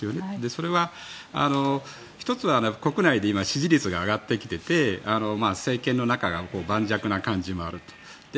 それは１つは国内で今、支持率が上がってきていて政権の中が盤石な感じもあると。